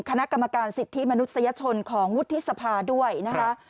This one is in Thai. คณะกรรมการสิทธิมนุษยชนของวุฒิสภาด้วยนะคะ